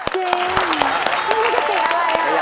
จริงไม่รู้จะเสียอะไร